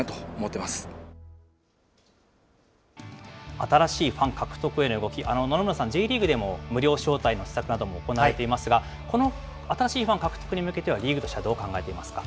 新しいファン獲得への動き、野々村さん、Ｊリーグでも無料招待などの施策なども行われていますが、この新しいファン獲得に向けては、リーグとしてはどう考えていますか。